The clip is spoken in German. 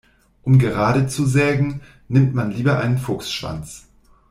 Um gerade zu sägen, nimmt man lieber einen Fuchsschwanz.